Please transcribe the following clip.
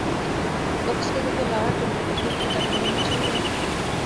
ওকসকে দেখে লারা টেন্ডুলকারদের কী তারপরেও হিংসে হবে না